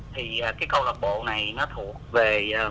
thì cái câu lạc bộ này nó thuộc về